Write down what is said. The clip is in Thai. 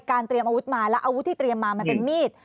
เตรียมอาวุธมาแล้วอาวุธที่เตรียมมามันเป็นมีด